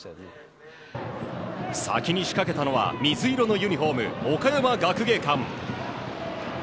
先に仕掛けたのは水色のユニホーム岡山学芸館。